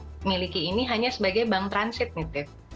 yang saya miliki ini hanya sebagai bank transit nih